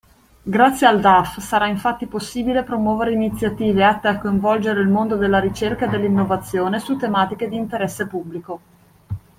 Grazie al DAF sarà, infatti, possibile promuovere iniziative atte a coinvolgere il mondo della ricerca e dell’innovazione su tematiche di interesse pubblico.